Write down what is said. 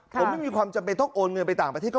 ผมไม่มีความจำเป็นต้องโอนเงินไปต่างประเทศก่อน